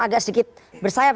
agak sedikit bersayap